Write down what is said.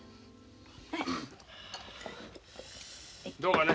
どうかね？